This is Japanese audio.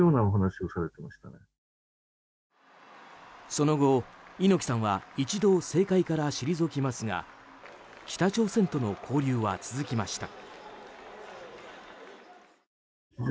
その後、猪木さんは一度、政界から退きますが北朝鮮との交流は続きました。